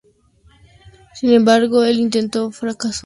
Sin embargo el intento fracasó.